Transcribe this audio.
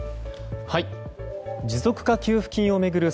持続化給付金を巡る